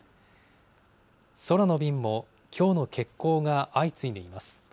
空の便もきょうの欠航が相次いでいます。